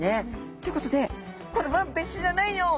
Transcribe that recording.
ということでこれは別種じゃないよ。